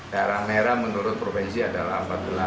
daerah merah menurut provinsi adalah empat belas